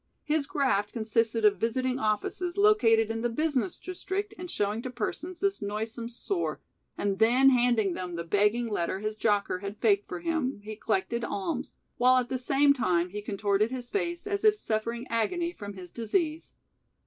His graft consisted of visiting offices located in the business district and showing to persons this noisome sore, and then handing them the begging letter his jocker had faked for him, he collected alms, while at the same time he contorted his face as if suffering agony from his "disease".